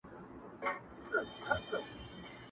• چاته که سکاره یمه اېرې یمه..